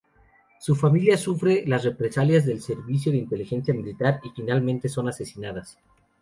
Su familia sufre las represalias del Servicio de Inteligencia Militar, y finalmente son asesinadas.